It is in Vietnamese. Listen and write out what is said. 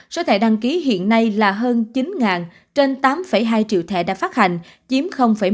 số thẻ đăng ký hiện nay là hơn chín trên tám hai triệu thẻ đã phát hành chiếm một